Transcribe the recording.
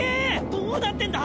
どうなってんだ？